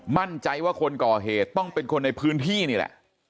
มั่นใจว่าคนก่อเหตุต้องเป็นคนในพื้นที่นี่แหละ